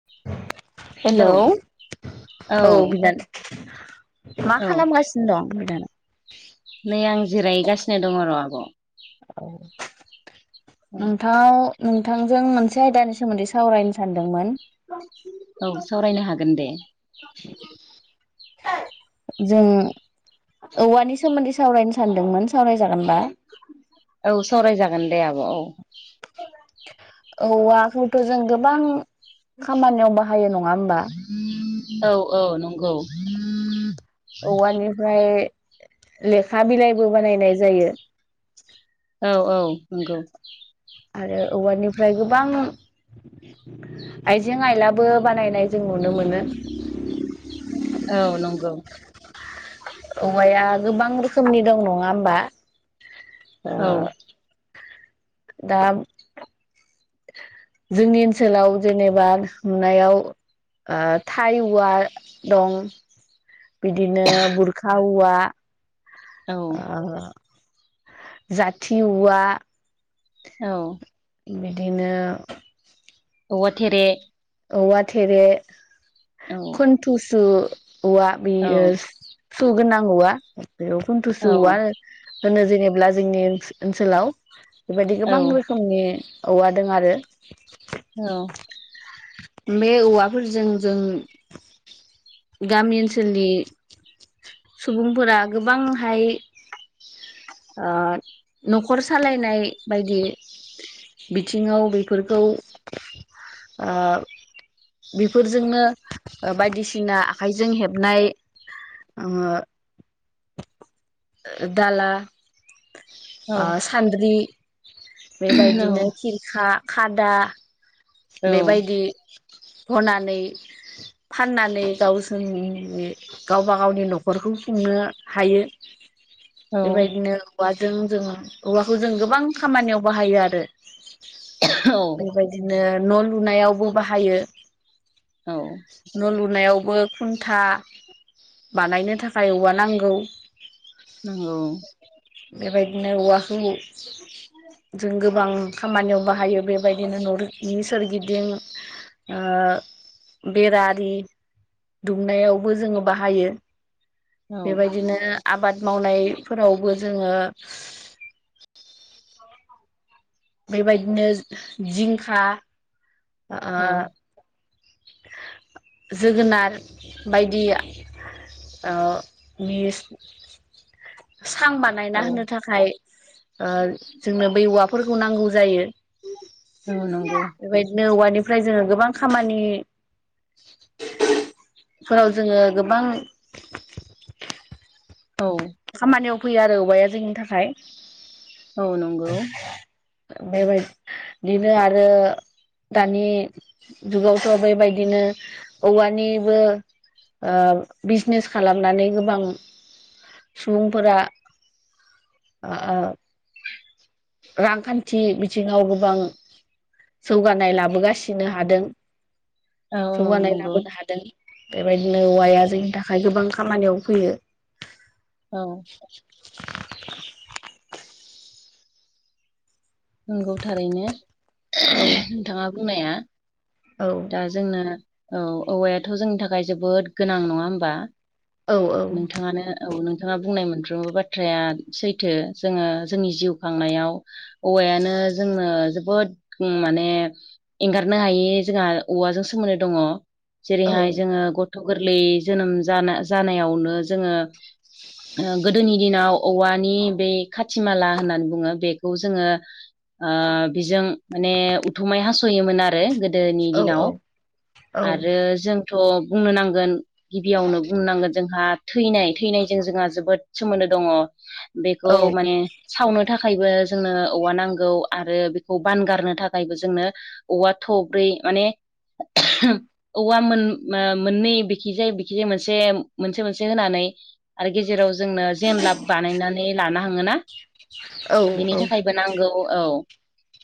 [inaudible] Hello औ बिनानाव मा औ खालामगासिनो दं बिनानाव? नै आं जिरायगासिनो दं र' आब' औ नोंथां नोंथांजों मोनसे आयदानि सोमोन्दै सावरायनो सानदोंमोन। [inaudible] औ सावरायनो हागोन दे जों औवानि सोमोन्दै सावरायनो सानदोंमोन सावरायजागोनबा? औ सावरायजागोन दे आब' औ औवाखौथ' जों गोबां खामानियाव बा हायो नङा ओमबा औ औ नंगौ। औवानिफ्राय लेखा बिलाइबो बानायनाय जायो। औ औ नोंगौ। आरो औवारनिफ्राय गोबां आइजें आइलाबो बानायनाय जों नुनो मोनो। औ नंगौ। औवाया गोबां रोखोमनि दं नङा ओमबा ओ औ दा जोंनि ओनसोलाव जेनेबा नुनायाव ओ थाइ औवा दं बिदिनो बुरखा औवा औ ओ जाथि औवा औ। बिदिनो औवा थेरे औवा थेरे औ खुनथुसु औवा औ बेयो सु गोनां औवा बेयाव औ खन्थुसु उवा होनो जेनेबा जोंनि ओनसो-ओनसोलाव बेबायदि औ गोबां रोखोमनि औव दों आरो। औ बे औवाफोरजों जों गामि ओनसोलनि सुबुंफोरा गोबांहाय न'खर सालायनाय बायदि बिथिंङाव बेफोरखौ ओ- बेफोरजोंनो बायदिसिना ओ-आखाइजों हेबनाय ओ- दाला औ ओ-सान्द्रि। बेबायदिनो खिरखा खादा। औ बेबायदि हनानै फाननानै गावसोरनि गावबा गावनि न'खरखौ खुंनो हायो। बेबायदिनो औवाजों जों औवाखौ जों गोबां खामानियाव बाहायो आरो बेबायदि दिनो न' लुनायावबो बाहायो। औ। न' लुनायावबो खुन्था बानायनो थाखाय औवा नांगौ। नंगौ। बेबायदिनो औवाखौ जों गोबां खामानियाव बाहायो बेबायदिनो न' नि सोरगिदिं ओ-बेरा आरि दुमनायावबो जोङो बाहायो बेबायदिनो आबाद मावनायफोरावबो जोङो बेबायदिनो जिंखा औ ओ जोगोनार बायदि आ ओ मिस सांबान नायना होनो थाखाय ओ-जोंनो बे औवाफोरखौ नांगौ जायो। औ नंगौ। बेबायदिनो औवानिफ्राय जोङो गोबां खामानि फोराव जोङो गोबां औ। खामानियाव फैयो आरो औबाया जोंनि थाखाय। औ नंगौ। बेबाय बिदिनो आरो दानि जुगावथ' बेबायदिनो औवानिबो ओ बिजनेस खालामनानै गोबां सुबुंफोरा ओ रांखान्थि बिथिङाव गोबां जौगानाय लाबोगासिनो हादों औ जौगानाय नंगौ लाबोनो हादों। बेबायदिनो औवाया जोंनि थाखाय गोबां खामानियाव फैयो। औ। [inaudible] नंगौ थारैनो औ नोंथाङा बुंनाया। औ। दा जोंनो औ औवायाथ' जोंनि थाखाय जोबोद गोनां नङा होमबा औ नोंथाङानो औ नोंथाङा बुंनाय मोनफ्रोमबो बाथ्राया सैथो जोङो जोंनि जिउ खांनायाव औवायानो जोंनो जोबोद उम माने एंगारनो हायि जोंहा औवाजों सोमोन्दो दङ। औ जेरैहाय जोङो गथ' गोरलै जोनोम जाना जानायावनो जोङो ओ गोदोनि दिनाव औवानि बे खाथिमाला होननानै बुङो बेखौ जोङो ओ बेजों माने उथुमाय हास'योमोन आरो गो गोदोनि औ दिनाव औ आरो जों थ' बुंनो नांगोन गिबियावनो बुंनो नांगोन जोंहा थैनाय थैनायजों जोंहा जोबोद सोमोन्दो दङ औ बेखौ माने सावनो थाखायबो जोंनो औवा नांगौ आरो बेखौ बानगारनो थाखायबो जोंनो औवा थब्रै माने [unintelligible] औवा मोन ओ मोननै बिखिजाय बिखिजाय मोनसे मोनसे मोनसे होनानै आरो गेजेराव जोंनो जेनलाब बानायनानै लानो हाङोना। औ बेनि औ। थाखायबो नांगौ औ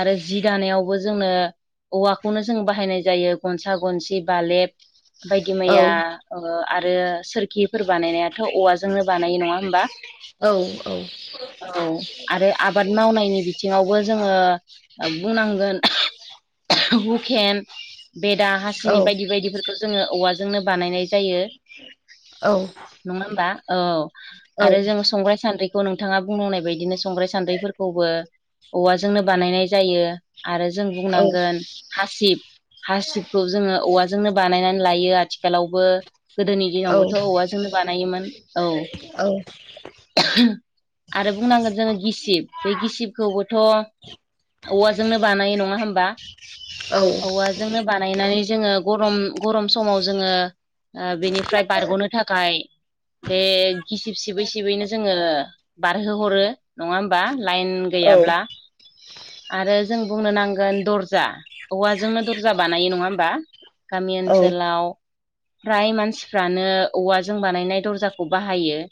आरो जि दानायावबो जोंनो औवाखौनो जों बाहायनाय जायो गनसा गनसि बालेब बायदि मैया ओ आरो सोर गिफोर बानायनायाथ' औवाजोंनो बानायो नङा होमबा? औ औ। औ आरो आब बाद मावनायनि बिथिङावबो जोङो बुंनांगोन हुखेन बेदा औ हासिनि बायदि बायदिफोरखौ जोङो औवाजोंनो बानायनाय जायो औ औ नङा होनबा औ औ आरो जों संग्राय सान्द्रि खौ नोंथाङा बुंनांनाय बायदिनो संगाय सान्द्रिफोरखौ औवाजोंनो बानायनाय जायो आरो जों बुंनांगोन हासिब हासिबखौ जोङो औवाजोंनो बानायनानै लायो आथिखालावबो। गोदोनि दिनावबोथ' औवाजोंनो बानायोमोन औ। आरो बुंनांगोन जोङो गिसिब बे गिसिबखौबोथ' औवाजोंनो बानायो नङा होमबा? औ। औवाजोंनो बानायनानै जोङो गरम गरम समाव जोङो ओ बेनिफ्राय बारग'नो थाखाय बे गिसिब सिबै सिबैनो जोङो बारहोहरो नङा होमबा लाइन गैयाब्ला। आरो जों बुंनो नांगोन दर्जा औवाजोंनो दरजा बानायो नङा होमबा? गामि ओनसोलाव फ्राय मानसिफ्रानो औवाजों बानायनाय दर्जाखौ बाहायो।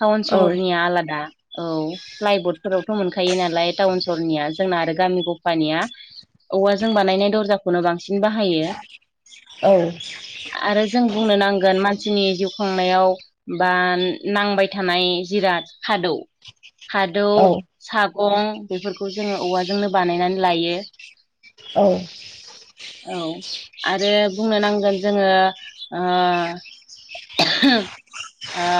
टाउन सहरनिया आलादा औ फ्लाइबर्ड फोरावथ' मोनखायो नालाय टाउन सहरनिया जोंना आरो गामि गफानिया औवाजों बानायनाय दरजाखौनो बांसिन बाहायो। औ। आरो जों बुंनो नांगोन मानसिनि जिउ खांनायाव बा नांबाय थानाय जिराद खादौ खादौ सागं बेफोरखौ जोङो औवाजोंनो बानायनानै लायो। औ। औ आरो बुंनो नांगोन जोङो ओ ओ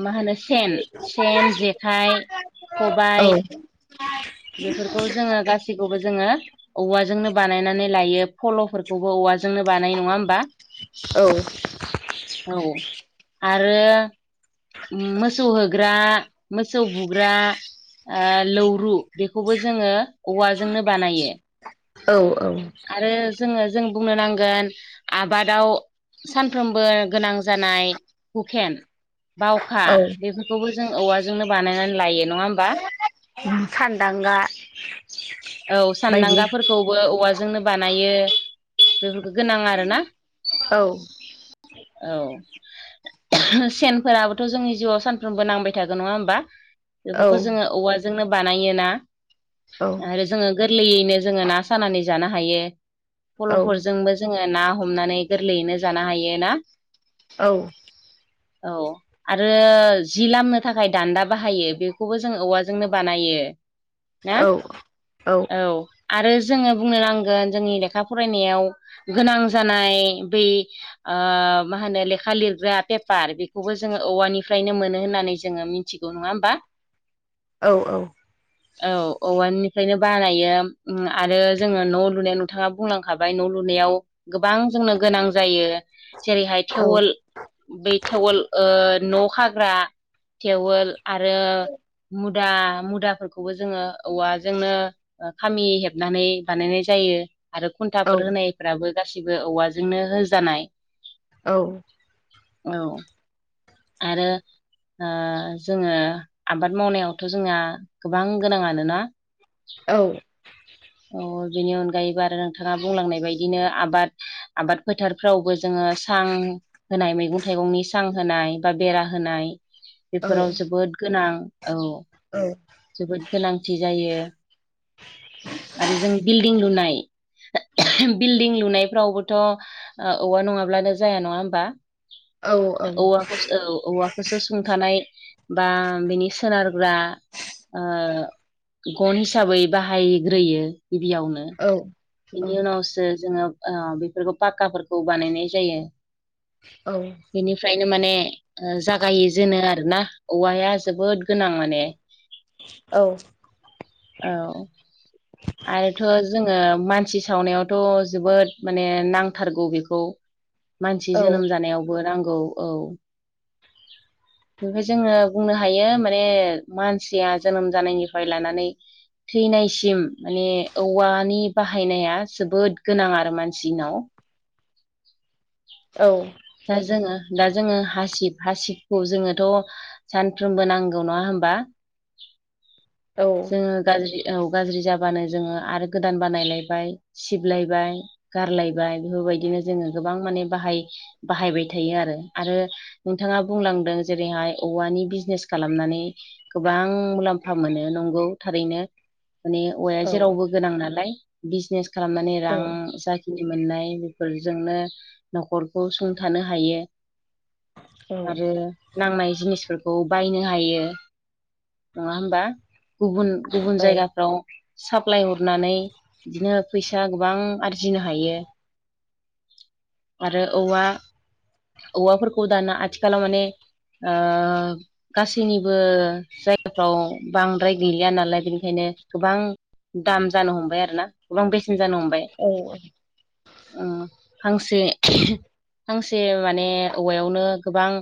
मा होनो सेन सेन जेखाइ खबाइ औ। बेफोरखौ जोङो गासिखौबो जोङो औवाजोंनो बानायनानै लायो फल'फोरखौबो औवाजोंनो बानायो नङा होमबा? औ। औ आरो मोसौ होग्रा मोसौ बुग्रा लौरु बेखौबो जोङो औवाजोंनो बानायो। औ औ। आरो जोङो जों बुंनो नांगोन आबादाव सानफ्रोमबो गोनां जानाय हुकेन बावखा बेफोरखौबो जों औवाजोंनो बानायनानै लायो नङा होमबा। सानदांगा औ बायदि सानदांगाफोरखौबो औवाजोंनो बानायो बेफोरखौ गोनां आरोना। औ औ सेनफोराबोथ' जोंनि जिउआव सानफ्रोमबो नांबाय थागो नङा होमबा औ बेफोरखौ जोङो औवाजोंनो बानायोना औ आरो जोङो गोरलैयैनो जोङो ना सानानै जानो हायो औ फल'फोरजोंबो जोङो ना हमनानै गोरलैयैनो जानो हायो ना औ। औ। आरो जि लामनो थाखाय दान्दा बाहायो बेखौबो जों औवाजोंनो बानायो ना औ औ औ आरो जोङो बुंनो नांगोन जोंनि लेखा फरायनायाव गोनां जानाय बै मा होनो लेखा लिरग्रा पेपार बेखौबो जोङो औवानिफ्रायनो मोनो होननानै जोङो मिथि मिथिग नङा होमबा औ औ औ औवानि बेखायनो बानायो आरो जोङो न' लुनायाव नोंथाङा बुंलांखाबाय न' लुनायाव गोबां जोंनो गोनां जायो जेरैहाय औ थेवोल बे थेवल न' हाग्रा एवोल आरो मुदा मुदाफोरखौबो जोङो औवाजोंनो खामि हेबनानै बानायनाय जायो आरो खुन्थाफोर होनायफ्राबो गासिबो औवाजोंनो होजानाय औ औ आरो जोङो आबाद मावनायावथ' जोंना गोबां गोनां आनोना औ अ बेनि अनगायैबो आरो नोंथाङा बुंलांनाय बायदिनो आबाद आबाद फोथारफ्रावबो जोङो सां होनाय मैगं थाइगंनि सां होनाय बा बेरा होनाय बेफोराव जोबोद गोनां औ जोबोद गोनांथि जायो आरो जों बिल्डिं लुनाय बिल्डिं लुनायफ्रावबोथ' औवा नङाब्लानो जाया नङा होमबा। औ औ। औ औवाफोरसो सुंथानाय बा बिनि सोनारग्रा गन हिसाबै बाहायग्रोयो गिबियावनो बिनि उनावसो जोङो बेफोरखौ पाक्काफोरखौ बानायनाय जायो। बेनिफ्रायनो माने जागाय जेो आरोोना औवाया जोबोद गोनां माने। औ। औ आरोथ' जोङो मानसि सावनायावथ' जोबोद माने नांथारगौ बेखौ। मानसि जोनोम जानायावबो नांगौ औ। [unintelligible] ओमफ्राय जोङो बुंनो हायो माने मानसिया जोनोम जानायनिफ्राय लानानै थैनायसिम माने औवानि बाहायनाया जोबोद गोनां आरो मानसिनाव। औ। दा जोङो दा जोङो हासिब हासिबखौ जोङोथ' सानफ्रोमबो नांगौ नङा होमबा? औ। जोङो गाज्रि औ गाज्रि जाबानो जोङो आरो गोदान बानायलायबाय सिबलायबाय। गारलायबाय बेफोरबायदिनो जोङो गोबां माने बाहाय बाहायबाय थायो आरो। आरो नोंथाङा बुंलांदों जेरैहाय औवानि बिजनेस खालामनानै गोबां मुलाम्फा मोनो नंगौ थारैनो, माने औवाया जेरावबो गोनां नालाय। बिजनेस खालामनानै रां जाखिनि मोननाय बेफोरजोंनो न'खरखौ थानो हायो। आरो नांनाय जिनिसफोरखौ बायनो हायो। नङा होमबा? गुबुन औ गुबुन औ जायगाफ्राव साप्लाय हरनानै बिदिनो फैसा गोबां आरजिनो हायो। आरो औवा औवाफोरखौ दाना आथिलाव माने ओ गासैनिबो जायगाफ्राव बांद्राय गैलिया नालाय बेनिखायनो गोबां दाम जानो हमबाय आरो ना, गोबां बेसेन जानो हमबाय। औ। फांसे फांसे माने औवायावनो गोबां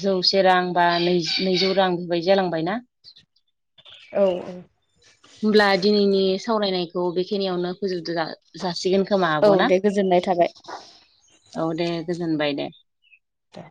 जौसे रां बा नैजौ रां बेबायदि जालांबायना। औ। हब्ला दिनैनि सावरायनायखौ बेखिनियावनो फोजोब जासिगोन खोमा औ आब' ना? दे गोजोननाय थाबाय। औ दे गोजोनबाय दे। दे